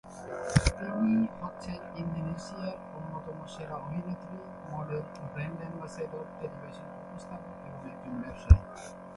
তিনি হচ্ছেন ইন্দোনেশিয়ার অন্যতম সেরা অভিনেত্রী, মডেল, ব্র্যান্ড অ্যাম্বাসেডর, টেলিভিশন উপস্থাপক এবং একজন ব্যবসায়ী।